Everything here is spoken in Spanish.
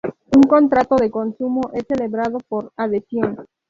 Un contrato de consumo es celebrado por adhesión.